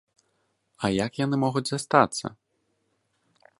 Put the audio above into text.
А як яны могуць застацца?